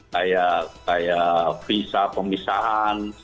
kayak kayak visa pemisahan